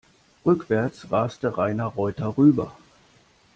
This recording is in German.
Rückwärts raste Rainer Reuter rüber.